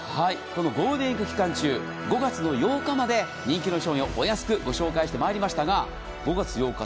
このゴールデンウィーク期間中５月８日まで人気の商品をお安くご紹介してまいりましたが５月８日。